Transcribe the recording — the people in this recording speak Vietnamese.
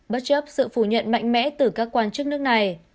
bất chấp sự phủ nhận mạnh mẽ từ các quan chức nước này